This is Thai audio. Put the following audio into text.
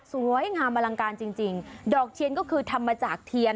สวยงามอลังการจริงจริงดอกเทียนก็คือทำมาจากเทียน